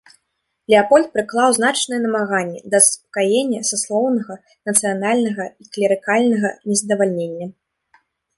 Леапольд прыклаў значныя намаганні да заспакаення саслоўнага, нацыянальнага і клерыкальнага незадавальнення.